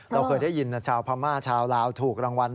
เราเคยได้ยินชาวพม่าชาวลาวถูกรางวัล